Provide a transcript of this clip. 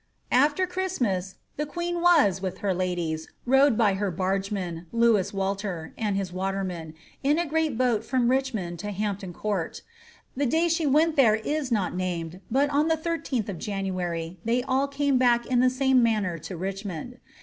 After Christmas, the queen was with her ladies rowed hy her barfs man, Lewis Walter, and his watermen, in a great boat from Richmond to Hampton Court : the day she went there is not named, but on the 18th of January they all came back in the same manner to Richmond.